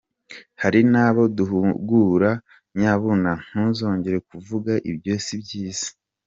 Hari nabo duhugura nyabuna ntuzongere kuvuga ibyo si byiza.